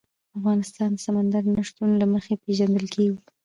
افغانستان د سمندر نه شتون له مخې پېژندل کېږي.